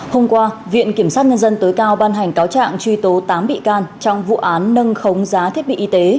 hôm qua viện kiểm sát nhân dân tối cao ban hành cáo trạng truy tố tám bị can trong vụ án nâng khống giá thiết bị y tế